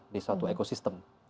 di suatu ekosistem